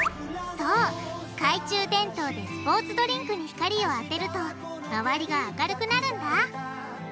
そう懐中電灯でスポーツドリンクに光をあてると周りが明るくなるんだ！